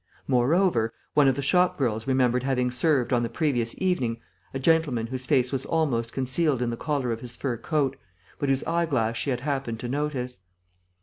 Moreover, one of the shop girls remembered having served, on the previous evening, a gentleman whose face was almost concealed in the collar of his fur coat, but whose eyeglass she had happened to notice.